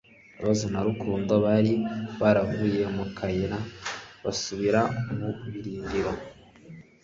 Ross na Rukundo bari baravuye mu kayira basubira mu birindiro